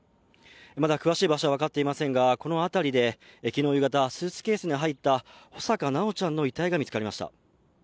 まだ詳しい場所は分かっていませんが、この辺りで昨日夕方、スーツケースに入った穂坂修ちゃんの遺体が見つかりました。